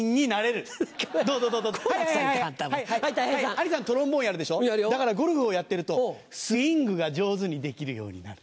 兄さんトロンボーンやるでしょだからゴルフをやってるとスイングが上手にできるようになる。